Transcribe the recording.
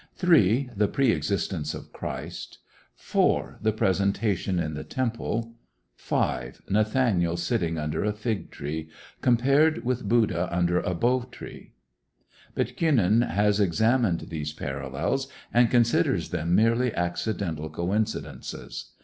(3) The preëxistence of Christ; (4) The presentation in the Temple; (5) Nathanael sitting under a fig tree, compared with Buddha under a Bo tree. But Kuenen has examined these parallels, and considers them merely accidental coincidences.